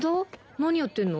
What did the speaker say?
何やってんの？